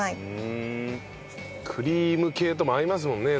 クリーム系とも合いますもんね